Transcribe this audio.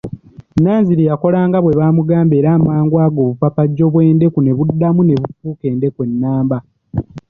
Nanziri yakolanga bwe baamugamba era amangu ago obupapajjo bw'endeku ne buddamu ne bufuuka endeku ennamba.